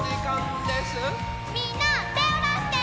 みんなてをだして！